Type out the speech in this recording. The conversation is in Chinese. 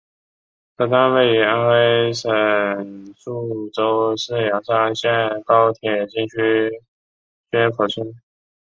车站位于安徽省宿州市砀山县高铁新区薛口村。